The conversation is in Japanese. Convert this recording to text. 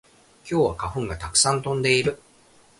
今日は花粉がたくさん飛んでいる